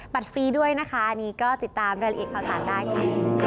บัตรฟรีด้วยนะคะนี่ก็ติดตามรายละเอียดเข้าสารได้ค่ะ